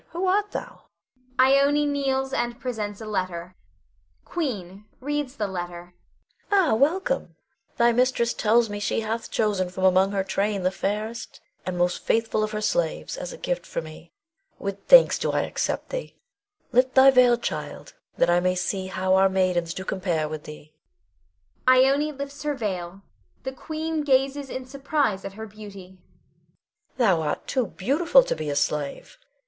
Who art thou? [Ione kneels and presents a letter. Queen [reads the letter]. Ah, welcome! Thy mistress tells me she hath chosen from among her train the fairest and most faithful of her slaves, as a gift for me. With thanks do I accept thee. Lift thy veil, child, that I may see how our maidens do compare with thee. [Ione lifts her veil. The Queen gazes in surprise at her beauty.] Thou art too beautiful to be a slave.